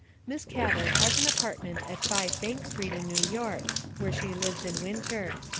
"Miss Gather has an apartment at 5 Bank street in New York, where she lives in winter.